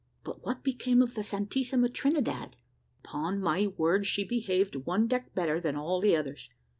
"But what became of the Santissima Trinidad?" "Upon my word, she behaved one deck better than all the others.